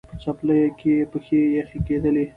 په څپلیو کي یې پښې یخی کېدلې